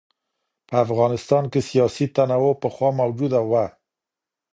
په افغانستان کې سیاسي تنوع پخوا موجوده وه.